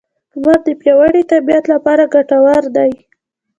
لمر د پیاوړې طبیعت لپاره ګټور دی.